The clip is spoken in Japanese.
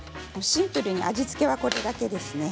シンプルに味付けはこれだけですね。